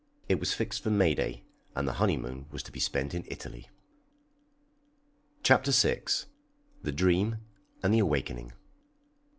It was fixed for May day, and the honeymoon was to be spent in Italy. CHAPTER VI. THE DREAM AND THE AWAKENING.